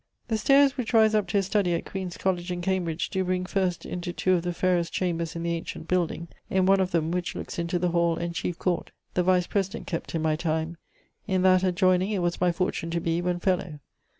'The staires which rise up to his studie at Queens Colledge in Cambridge doe bring first into two of the fairest chambers in the ancient building; in one of them, which lookes into the hall and chiefe court, the Vice President kept in my time; in that adjoyning, it was my fortune to be, when fellow.